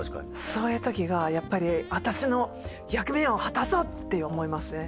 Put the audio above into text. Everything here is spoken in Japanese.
そういう時がやっぱり私の役目を果たそうって思いますね。